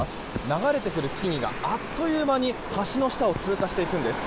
流れてくる木々があっという間に橋の下を通過していくんです。